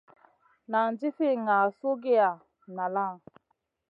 Nan jifi ŋah suhgiya nala ?